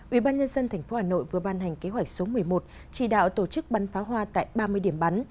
ubnd tp hà nội vừa ban hành kế hoạch số một mươi một chỉ đạo tổ chức bắn pháo hoa tại ba mươi điểm bắn